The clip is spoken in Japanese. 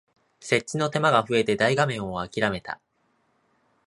設置の手間が増えて大画面をあきらめた